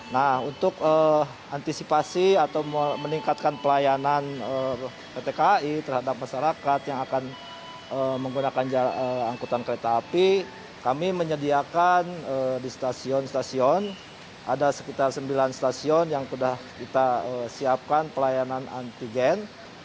nah untuk antisipasi atau meningkatkan pelayanan pt kai terhadap masyarakat yang akan menggunakan angkutan kereta api kami menyediakan di stasiun stasiun ada sekitar sembilan stasiun yang sudah kita siapkan pelayanan antigen